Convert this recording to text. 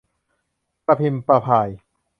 ประพิมพ์ประพาย